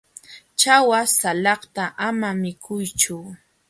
ćhawa salakta ama mikuychu.